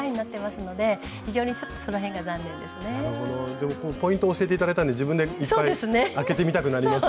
でもポイントを教えて頂いたんで自分でいっぱい開けてみたくなります。